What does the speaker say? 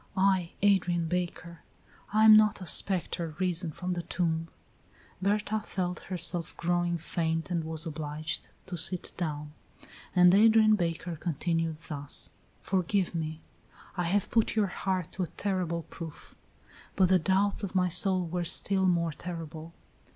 "I, Adrian Baker. I am not a spectre risen from the tomb." Berta felt herself growing faint and was obliged to sit down; and Adrian Baker continued thus: "Forgive me. I have put your heart to a terrible proof, but the doubts of my soul were still more terrible.